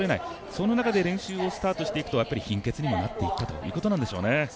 そんな中で練習をスタートしていくと貧血にもなっていくということなんでしょうね。